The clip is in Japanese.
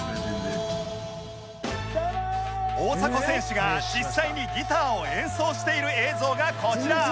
大迫選手が実際にギターを演奏している映像がこちら